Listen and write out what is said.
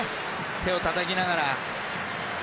手をたたきながら。